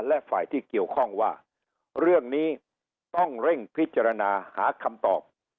และฝ่ายที่เกี่ยวข้องว่าเรื่องนี้ต้องเร่งพิจารณาหาคำตอบ